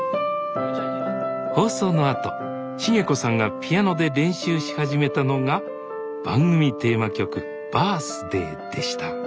放送のあと茂子さんがピアノで練習し始めたのが番組テーマ曲「Ｂｉｒｔｈｄａｙ」でしたあ！